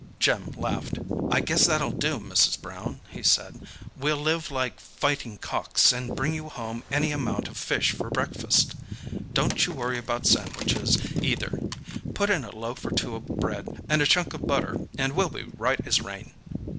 Jim laughed. "I guess that'll do, Mrs. Brown," he said. "We'll live like fighting cocks, and bring you home any amount of fish for breakfast. Don't you worry about sandwiches, either—put in a loaf or two of bread, and a chunk of butter, and we'll be right as rain."